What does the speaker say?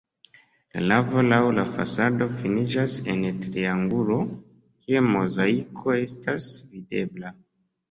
La navo laŭ la fasado finiĝas en triangulo, kie mozaiko estas videbla.